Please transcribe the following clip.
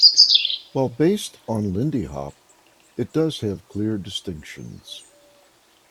While based on Lindy Hop, it does have clear distinctions.